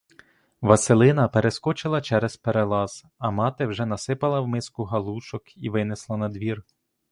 Василина перескочила через перелаз, а мати вже насипала в миску галушок і винесла надвір.